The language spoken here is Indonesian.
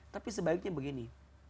tapi sebaiknya begini